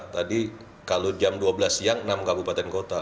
tadi kalau jam dua belas siang enam kabupaten kota